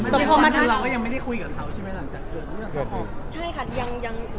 ตรงนี้เราก็ยังไม่ได้คุยกับเขาใช่ไหมหลังจากเกิดเรื่องนี้